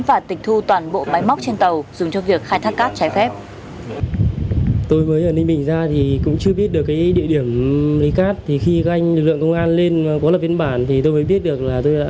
và tịch thu toàn bộ máy móc trên tàu dùng cho việc khai thác cát trái phép